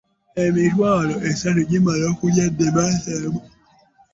Emitwalo esatu gimmala okulya ddimansi emu.